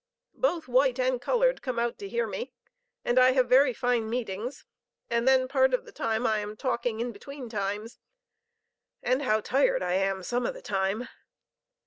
Both white and colored come out to hear me, and I have very fine meetings; and then part of the time I am talking in between times, and how tired I am some of the time.